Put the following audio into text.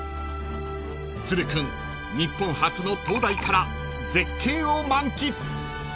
［都留君日本初の灯台から絶景を満喫］